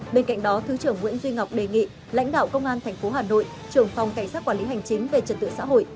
bên cạnh đó thứ trưởng nguyễn duy ngọc đề nghị lãnh đạo công an tp hà nội trưởng phòng cảnh sát quản lý hành chính về trật tự xã hội